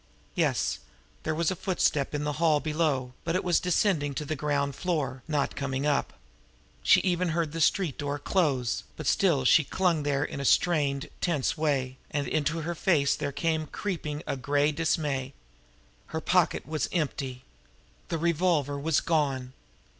Yes, there was a footstep in the hall below, but it was descending now to the ground floor, not coming up. She even heard the street door close, but still she hung there in a strained, tense way, and into her face there came creeping a gray dismay. Her pocket was empty. The revolver was gone!